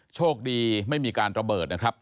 โชคดีไม่มีการระเบิดนะครับ